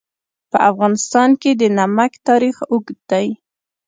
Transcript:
په افغانستان کې د نمک تاریخ اوږد دی.